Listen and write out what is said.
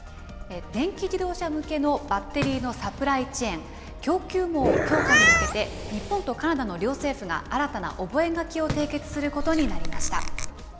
電気自動車向けのバッテリーのサプライチェーン・供給網強化に向けて、日本とカナダの両政府が新たな覚書を締結することになりま